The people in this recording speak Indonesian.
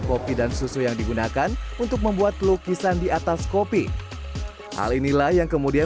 kopi dan susu yang digunakan untuk membuat lukisan di atas kopi hal inilah yang kemudian